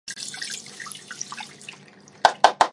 白石一文目前与妻子住在东京。